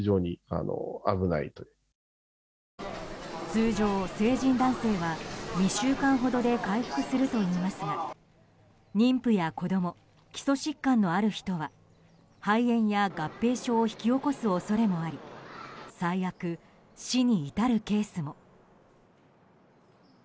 通常、成人男性は２週間ほどで回復するといいますが妊婦や子供、基礎疾患のある人は肺炎や合併症を引き起こす恐れもあり最悪、死に至るケースも。